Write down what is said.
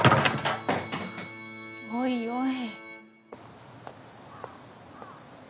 おいおい。